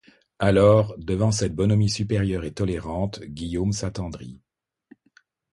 Alors, devant cette bonhomie supérieure et tolérante, Guillaume s'attendrit.